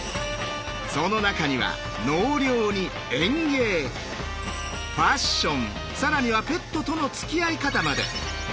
その中には納涼に園芸ファッション更にはペットとのつきあい方まで。